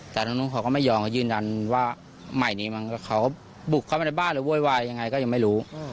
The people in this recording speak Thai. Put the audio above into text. แต่ทางนู้นเขาก็ไม่ยอมเขายืนยันว่าใหม่นี้เขาบุกเข้ามาในบ้านหรือโวยวายยังไงก็ยังไม่รู้